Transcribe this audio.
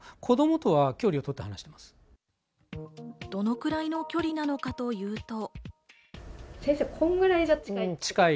どのくらいの距離なのかというと。